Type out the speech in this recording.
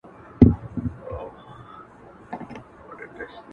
هـغــه اوس سيــمــي د تـــــه ځـــــي ـ